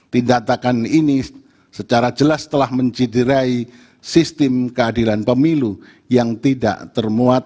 tindakan ini secara jelas telah menciderai sistem keadilan pemilu yang tidak termuat